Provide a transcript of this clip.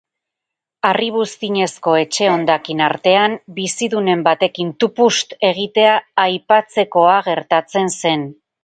Harri-buztinezko etxe hondakin artean bizidunen batekin tupust egitea aipatzekoa gertatzen zen.